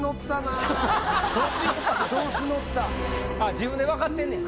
自分で分かってんねや。